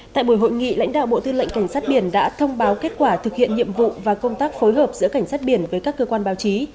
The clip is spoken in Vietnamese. tại buổi hội nghị lãnh đạo bộ tư lệnh cảnh sát biển đã thông báo kết quả thực hiện nhiệm vụ và công tác phối hợp giữa cảnh sát biển với các cơ quan báo chí